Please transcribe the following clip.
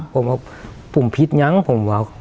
ผมว่าผมพิษยังผมว่า